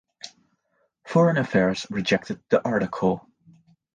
"Foreign Affairs" rejected the article.